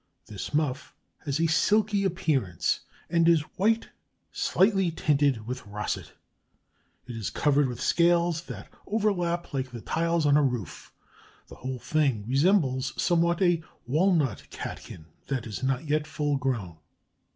This muff has a silky appearance and is white slightly tinted with russet. It is covered with scales that overlap like the tiles on a roof. The whole thing resembles somewhat a walnut catkin that is not yet full grown.